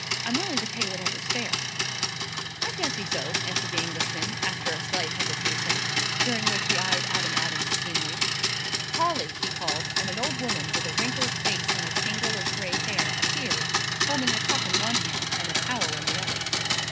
I'm willing to pay whatever's fair." "I fancy so," answered the Englishman, after a slight hesitation, during which he eyed Adam Adams keenly. "Polly!" he called, and an old woman, with a wrinkled face and a tangle of gray hair appeared, holding a cup in one hand and a towel in the other.